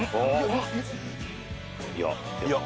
いや！